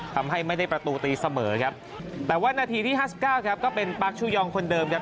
ทำให้ไม่ได้ประตูตีเสมอครับแต่ว่านาทีที่ห้าสิบเก้าครับก็เป็นปาร์คชูยองคนเดิมครับ